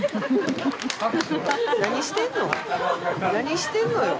何してんのよ。